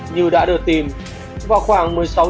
như đã được tìm vào khoảng một mươi sáu h chiều ngày bảy tháng một